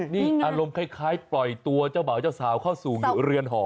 นี่อารมณ์คล้ายปล่อยตัวเจ้าบ่าวเจ้าสาวเข้าสู่เรือนหอ